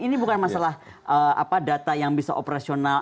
ini bukan masalah data yang bisa operasional